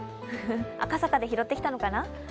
赤坂で拾ってきたのかな？